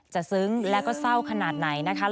ซึ้งแล้วก็เศร้าขนาดไหนนะคะ